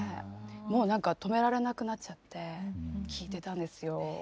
もう何か止められなくなっちゃって聴いてたんですよ。